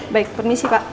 baik permisi pak